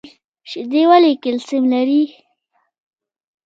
شیدې ولې کلسیم لري؟